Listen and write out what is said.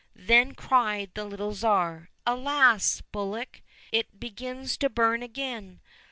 Then cried the little Tsar, " Alas ! bullock, it begins to burn again.